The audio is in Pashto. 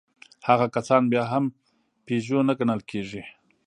هغه کسان بيا هم پيژو نه ګڼل کېږي.